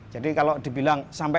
jadi kalau dibilang